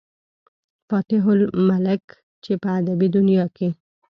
فاتح الملک، چې پۀ ادبي دنيا کښې